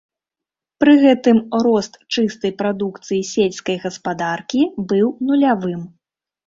Пры гэтым рост чыстай прадукцыі сельскай гаспадаркі быў нулявым.